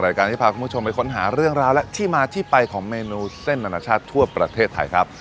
รายการที่พาคุณผู้ชมไปค้นหาเรื่องราวและที่มาที่ไปของเมนูเส้นอนาชาติทั่วประเทศไทยครับ